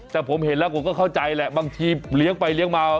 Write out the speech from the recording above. แต่ผมเห็นแล้วผมก็เข้าใจแหละบางทีเลี้ยงไปเลี้ยงมา